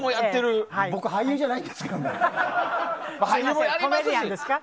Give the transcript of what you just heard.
僕、俳優じゃないですけど。